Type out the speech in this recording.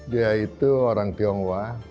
dia itu orang tionghoa